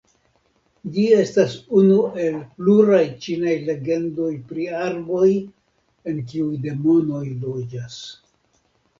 Ĝi estas unu el pluraj ĉinaj legendoj pri arboj en kiuj demonoj loĝas.